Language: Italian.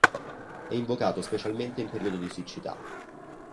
È invocato specialmente in periodo di siccità.